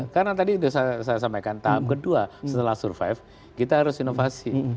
karena tadi saya sampaikan tahap kedua setelah survive kita harus inovasi